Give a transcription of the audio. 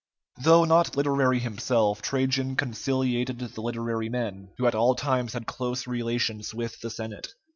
Though not literary himself, Trajan conciliated the literary men, who at all times had close relations with the Senate.